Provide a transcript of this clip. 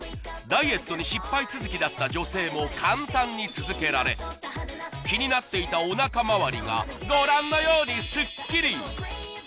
ダイエットに失敗続きだった女性も簡単に続けられ気になっていたおなかまわりがご覧のようにスッキリ！